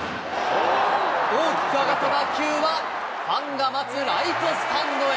大きく上がった打球はファンが待つライトスタンドへ。